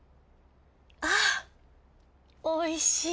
あおいしい。